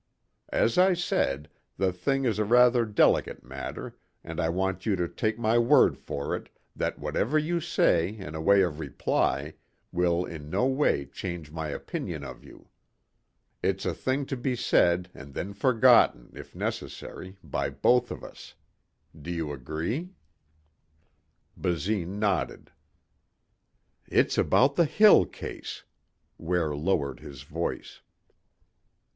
As I said, the thing is a rather delicate matter and I want you to take my word for it, that whatever you say in way of reply will in no way change my opinion of you. It's a thing to be said and then forgotten, if necessary, by both of us. Do you agree?" Basine nodded. "It's about the Hill case," Ware lowered his voice.